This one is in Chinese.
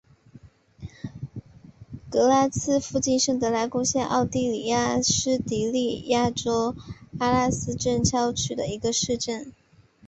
格拉茨附近圣拉德贡德是奥地利施蒂利亚州格拉茨城郊县的一个市镇。